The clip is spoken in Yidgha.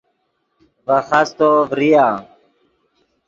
ڤے خاستو ڤریا